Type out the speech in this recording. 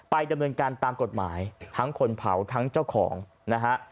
ดำเนินการตามกฎหมายทั้งคนเผาทั้งเจ้าของนะฮะ